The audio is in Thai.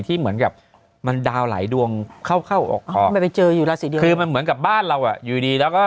เดี๋ยวก็รู้